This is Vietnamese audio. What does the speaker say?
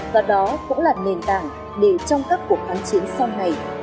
và đó cũng là nền tảng để trong các cuộc kháng chiến sau này